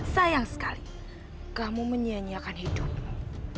sayang sekali kamu menyianyiakan hidupmu